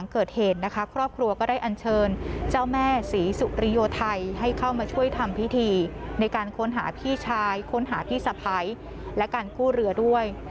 คนหาที่สะพ้ายและการกู้เรือด้วย